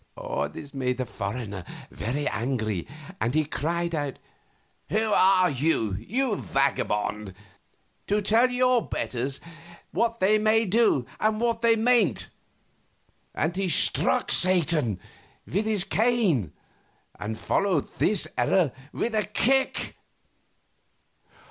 This made the foreigner very angry, and he cried out, "Who are you, you vagabond, to tell your betters what they may do and what they mayn't!" and he struck Satan with his cane and followed this error with a kick.